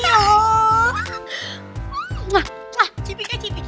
nah cipika cipika